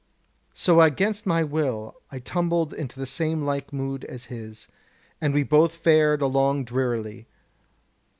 So against my will I tumbled into the samelike mood as his, and we both fared along drearily.